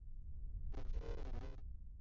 祖父叶益良。